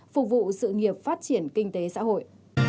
phục vụ sự nghiệp phát triển kinh tế xã hội